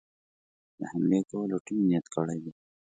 د حملې کولو ټینګ نیت کړی دی.